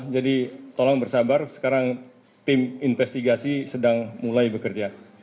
jadi tolong bersabar sekarang tim investigasi sedang mulai bekerja